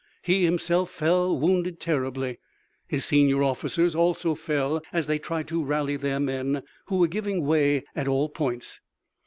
He himself fell wounded terribly. His senior officers also fell, as they tried to rally their men, who were giving way at all points.